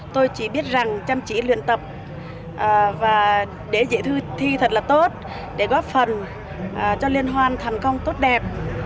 tôi chỉ biết rằng chăm chỉ luyện tập và để dễ thư thi thật là tốt để góp phần cho liên hoan thành công tốt đẹp